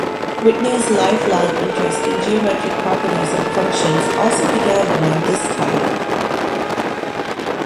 Whitney's lifelong interest in geometric properties of functions also began around this time.